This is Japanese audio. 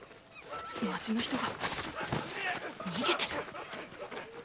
街の人が逃げてる？